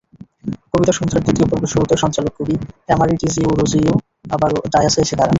কবিতা সন্ধ্যার দ্বিতীয় পর্বের শুরুতে সঞ্চালক কবি এমারি ডিজিওরজিও আবারও ডায়াসে এসে দাঁড়ান।